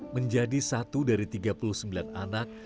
menjadi satu dari tiga puluh sembilan anak